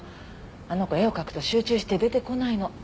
あの子絵を描くと集中して出てこないの。